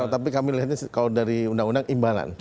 tapi kami melihatnya kalau dari undang undang imbalan